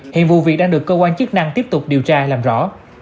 hiện vụ việc đang được cơ quan chức năng tiếp tục điều tra làm rõ